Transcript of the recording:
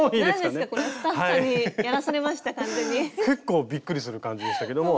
結構びっくりする感じでしたけども。